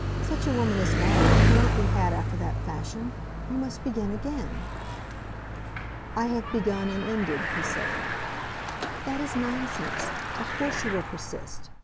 "Such a woman as Violet cannot be had after that fashion. You must begin again." "I have begun and ended," he said. "That is nonsense. Of course you will persist.